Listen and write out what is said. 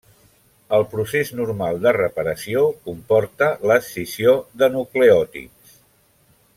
El procés normal de reparació comporta l'escissió de nucleòtids.